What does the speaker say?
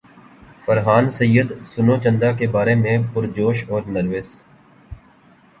فرحان سعید سنو چندا کے بارے میں پرجوش اور نروس